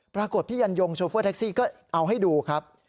ปรากฏพี่ยันยงโชเฟอร์แท็กซี่ก็เอาให้ดูครับ